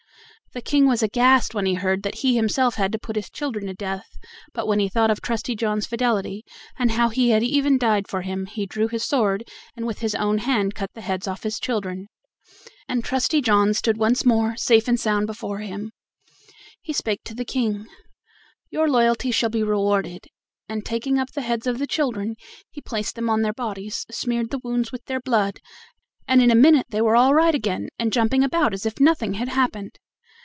The King was aghast when he heard that he had himself to put his children to death; but when he thought of Trusty John's fidelity, and how he had even died for him, he drew his sword, and with his own hand cut the heads off his children. And when he had smeared the stone with their blood, life came back, and Trusty John stood once more safe and sound before him. He spake to the King: "Your loyalty shall be rewarded," and taking up the heads of the children, he placed them on their bodies, smeared the wounds with their blood, and in a minute they were all right again and jumping about as if nothing had happened.